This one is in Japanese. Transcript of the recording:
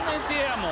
もう。